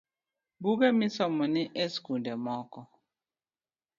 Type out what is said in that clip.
Buge misomo ni e sikunde moko